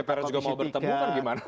tapi kalau dpr juga mau bertemu kan gimana